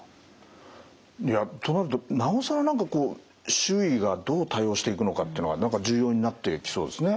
いやとなるとなおさら何かこう周囲がどう対応していくのかというのが重要になってきそうですね。